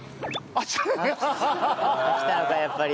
飽きたのかやっぱり。